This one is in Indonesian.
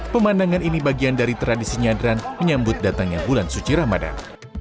pemandangan ini bagian dari tradisi nyadran menyambut datangnya bulan suci ramadan